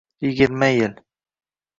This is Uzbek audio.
Yigirma yil…